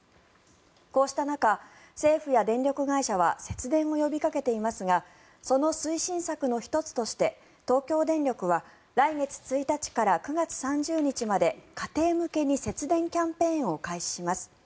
こうした中、政府や電力会社は節電を呼びかけていますがその推進策の１つとして東京電力は来月１日から９月３０日まで家庭向けに節電キャンペーンを開始します。